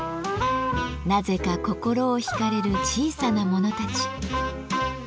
なぜか心を引かれる小さなものたち。